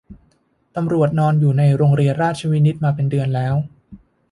ตำรวจนอนอยู่ในโรงเรียนราชวินิตมาเป็นเดือนแล้ว